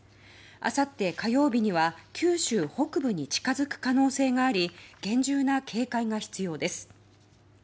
あさって火曜日には九州北部に近づく可能性があり厳重な警戒が必要です。